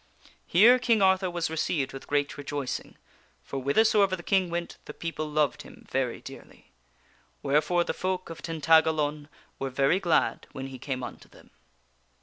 Here King Arthur was received with great rejoicing ; for whither soever the King went the people loved him very dearly. Wherefore the folk of Tintagalon were very glad when he came unto them.